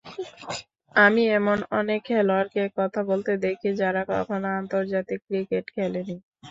আমি এমন অনেক খেলোয়াড়কে কথা বলতে দেখি, যারা কখনো আন্তর্জাতিক ক্রিকেট খেলেনি।